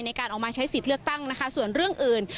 ในการออกมาใช้สิทธิ์เลือกตั้งนะคะส่วนเรื่องอื่น